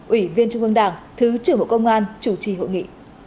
ủy viên trung ương đảng thứ trưởng bộ công an chủ trì hội nghị